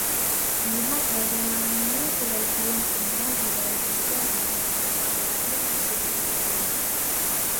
Lihat bagaimana kemajuan Anda dibandingkan dengan penyumbang lain di seluruh dunia.